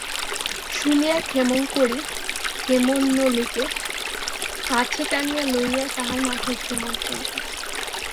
শুনিয়া ক্ষেমংকরী হেমনলিনীকে কাছে টানিয়া লইয়া তাহার মাথায় চুম্বন করিলেন।